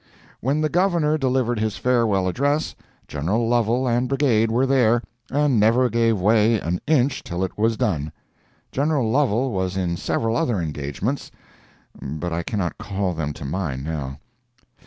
When the Governor delivered his farewell address, General Lovel and brigade were there, and never gave way an inch till it was done. General Lovel was in several other engagements, but I cannot call them to mind now.